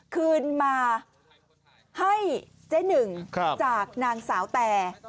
คืนมาให้เจ๊หนึ่งจากนางสาวแต่